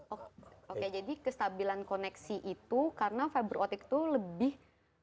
oke jadi kestabilan koneksi itu karena fiber optic itu lebih resisten terhadap